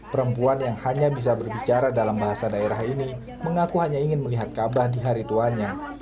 perempuan yang hanya bisa berbicara dalam bahasa daerah ini mengaku hanya ingin melihat kaabah di hari tuanya